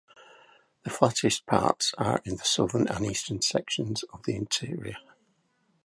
The flattest parts are in the southern and eastern sections of the interior.